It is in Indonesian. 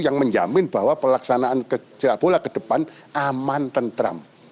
yang menjamin bahwa pelaksanaan sepak bola ke depan aman tentram